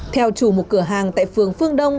theo chủ một cửa hàng tại phường phương đông